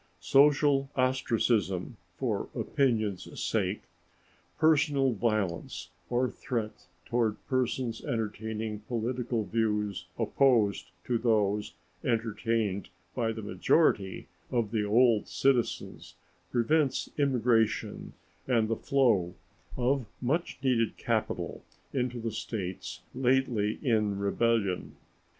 Social ostracism for opinion's sake, personal violence or threats toward persons entertaining political views opposed to those entertained by the majority of the old citizens, prevents immigration and the flow of much needed capital into the States lately in rebellion.